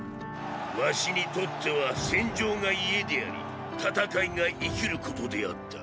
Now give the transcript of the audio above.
儂にとっては戦場が家であり戦いが生きることであった。